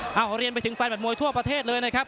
เอาอาหารเลี้ยงไปถึงไฟล์แบบมวยทั่วประเทศเลยนะครับ